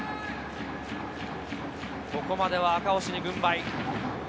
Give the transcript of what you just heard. ここまでは赤星に軍配。